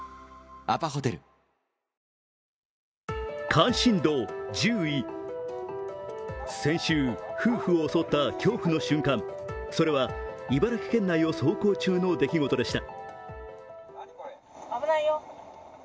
関心度１０位、先週、夫婦を襲った恐怖の瞬間、それは茨城県内を走行中の出来事でした。